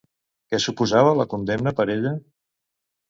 Què suposava la condemna per ella?